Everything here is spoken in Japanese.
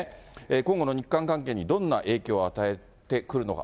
今後の日韓関係にどんな影響を与えてくるのか。